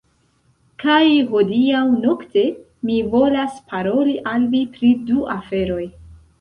Kaj hodiaŭ nokte, mi volas paroli al vi pri du aferoj.